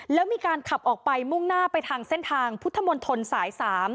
แล้วมีการขับออกไปมุ่งหน้าไปทางเส้นทางพุทธมนตรสาย๓